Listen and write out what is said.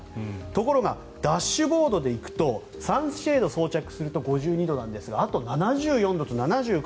ところがダッシュボードで行くとサンシェード装着すると５２度なんですがあとは７４度７９度と。